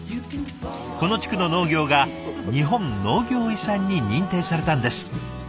この地区の農業が日本農業遺産に認定されたんです。